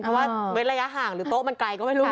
เหมือนระยะห่างหรือโต๊ะมันไกลก็ไม่รู้